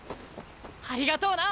ありがとうな！